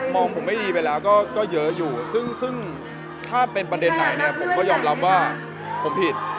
งผมไม่ดีไปแล้วก็เยอะอยู่ซึ่งถ้าเป็นประเด็นไหนเนี่ยผมก็ยอมรับว่าผมผิด